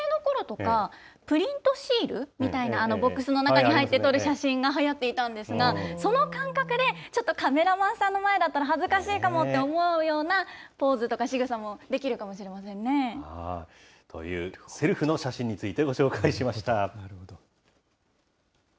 私、学生のころとか、プリントシールみたいな、ボックスの中に入って撮る写真がはやっていたんですが、その感覚で、ちょっとカメラマンさんの前だったら恥ずかしいかもって思うようなポーズとか、しぐさもできるかもしれませんね。という、セルフの写真についてご紹介しました。